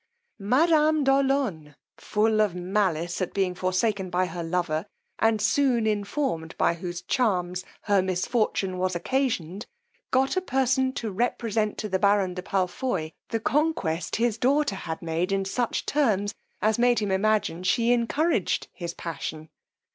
Madame de Olonne, full of malice at being forsaken by her lover, and soon informed by whose charms her misfortune was occasioned, got a person to represent to the baron de Palfoy the conquest his daughter had made in such terms, as made him imagine she encouraged his passion.